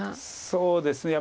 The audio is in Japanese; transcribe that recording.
そうですね。